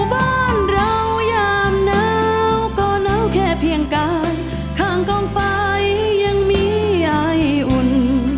อยู่บ้านเราหยามนะก็น้ำแค่เพียงกาดข้างกล่องไฟยังมีอายอุ่น